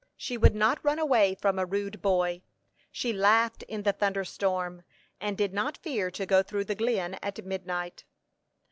She would not run away from a rude boy; she laughed in the thunder storm, and did not fear to go through the glen at midnight.